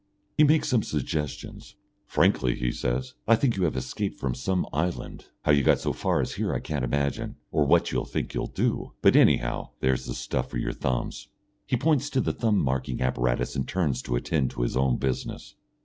He makes some suggestions. "Frankly," he says, "I think you have escaped from some island. How you got so far as here I can't imagine, or what you think you'll do.... But anyhow, there's the stuff for your thumbs." He points to the thumb marking apparatus and turns to attend to his own business.